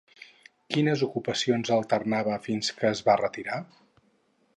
Quines ocupacions alternava fins que es va retirar?